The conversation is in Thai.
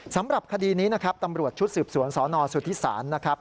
สำหรับคดีนี้นะครับตำรวจชุดสืบสวนสนสุธิศาลนะครับ